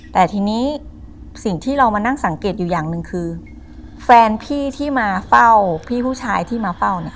แต่ทีนี้สิ่งที่เรามานั่งสังเกตอยู่อย่างหนึ่งคือแฟนพี่ที่มาเฝ้าพี่ผู้ชายที่มาเฝ้าเนี่ย